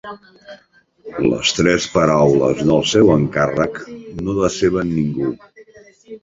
Les tres paraules del seu encàrrec no deceben ningú.